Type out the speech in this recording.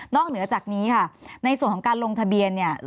เหนือจากนี้ค่ะในส่วนของการลงทะเบียนเนี่ย